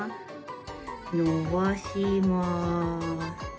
伸ばします。